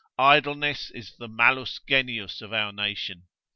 Idleness is the malus genius of our nation.